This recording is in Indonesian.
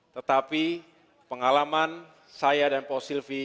tetapi pengalaman saya dan pak sylvi